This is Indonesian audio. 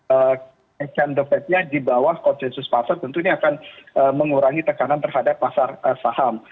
exchange debate nya di bawah konsensus pasar tentunya akan mengurangi tekanan terhadap pasar saham